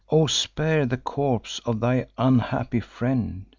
O spare the corpse of thy unhappy friend!